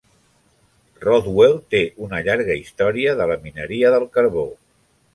Rothwell té una llarga història de la mineria del carbó.